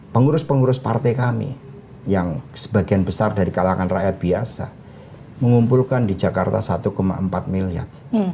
pengurus pengurus partai kami yang sebagian besar dari kalangan rakyat biasa mengumpulkan di jakarta satu empat miliar